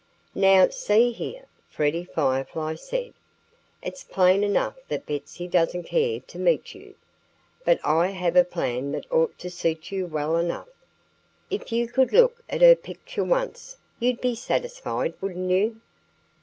"Now, see here!" Freddie Firefly said. "It's plain enough that Betsy doesn't care to meet you. But I have a plan that ought to suit you well enough. If you could look at her picture once you'd be satisfied, wouldn't you?"